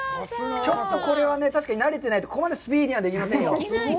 ちょっとこれは確かになれてないとここまでスピーディーにはできませんよ。